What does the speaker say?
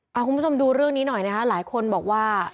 คุณผู้ชมดูเรื่องนี้หน่อยนะคะหลายคนบอกว่า